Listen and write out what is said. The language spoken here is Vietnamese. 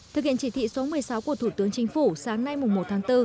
thực hiện chỉ thị số một mươi sáu của thủ tướng chính phủ sáng nay một tháng bốn